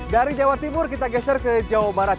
dari jawa timur kita geser ke jawa barat